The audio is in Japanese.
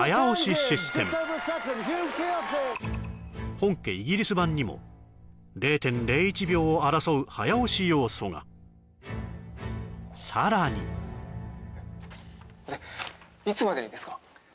本家イギリス版にも０．０１秒を争う早押し要素がさらにでいつまでにですか？